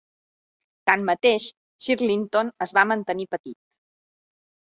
Tanmateix, Shirlington es va mantenir petit.